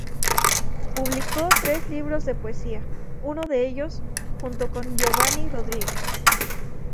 Publicó tres libros de poesía; uno de ellos junto con Giovanni Rodríguez.